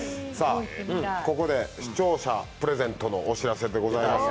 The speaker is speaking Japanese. ここで視聴者プレゼントのお知らせでございます。